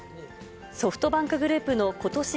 ソフトバンクグループのことし